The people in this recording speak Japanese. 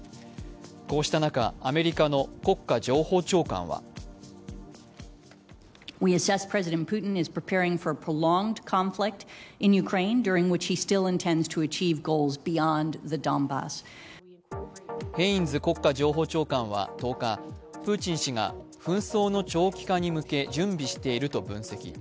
こうした中、アメリカの国家情報長官はヘインズ国家情報長官は１０日、プーチン氏が紛争の長期化に向け準備していると分析。